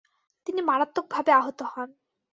তিনি মারাত্মক ভাবে আহত হন।